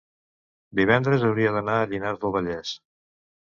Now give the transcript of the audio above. divendres hauria d'anar a Llinars del Vallès.